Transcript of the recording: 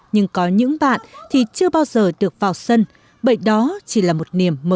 nhưng có những bạn thì chưa bao giờ được vào sân bởi đó chỉ là một niềm mơ